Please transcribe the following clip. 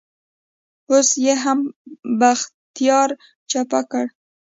اوس يې هم بختيار چپه کړ.